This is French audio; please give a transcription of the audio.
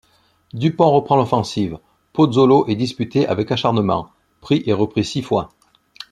Dupont reprend l'offensive, Pozzolo est disputé avec acharnement, pris et repris six fois.